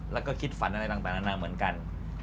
แล้วก็คิดฝันอะไรต่างนานาเหมือนกัน